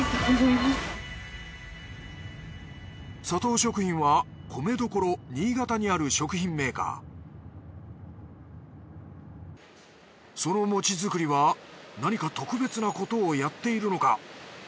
サトウ食品は米どころ新潟にある食品メーカーその餅作りは何か特別なことをやっているのか？